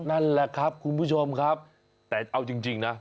นั่นแหละครับคุณผู้ชมครับแต่เอาจริงนะ